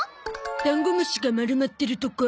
ダンゴムシが丸まってるとこ。